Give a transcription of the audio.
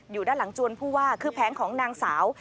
อยู่ด้านหลังจวนผู้ว่าคือแผงของนางสาว